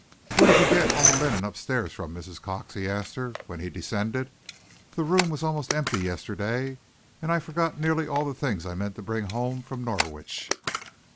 "Where did you get all the linen up stairs from, Mrs. Cox?" he asked her, when he descended. "The room was almost empty yesterday, and I forgot nearly all the things I meant to bring home from Norwich."